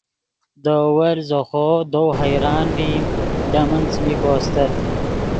دے اول زو خوو دؤ المی حیران ڤئیم لے من څیمی کو استت